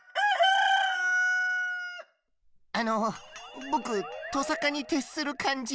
あのぼくとさかにてっするかんじ？